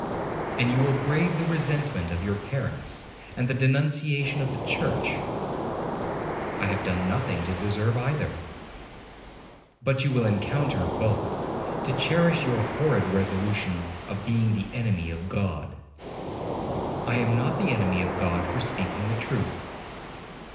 'And you will brave the resentment of your parents, and the denunciations of the church.' 'I have done nothing to deserve either.' 'But you will encounter both, to cherish your horrid resolution of being the enemy of God.' 'I am not the enemy of God for speaking the truth.'